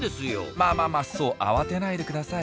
まあまあまあそう慌てないでください。